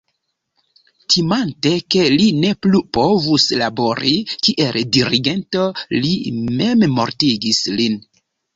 Timante ke li ne plu povus labori kiel dirigento li memmortigis lin.